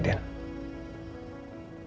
karena papa belum yakin